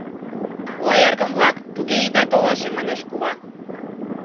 — Ой, эргым-влак, туге ида толаше! — манеш кува.